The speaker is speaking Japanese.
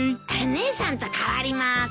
姉さんと代わります。